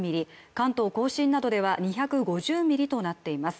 関東甲信などでは２５０ミリとなっています。